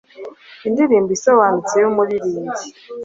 Indirimbo isobanutse yumuririmbyi